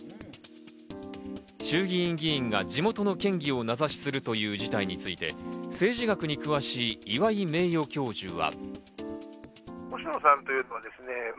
衆議院議員が地元の県議を名指しするという事態について政治学に詳しい岩井名誉教授は。